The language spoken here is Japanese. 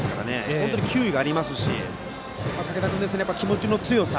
本当に球威がありますし竹田君、やっぱり気持ちの強さ。